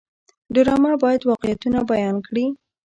ډرامه باید واقعیتونه بیان کړي